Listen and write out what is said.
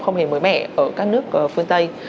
không hề mới mẻ ở các nước phương tây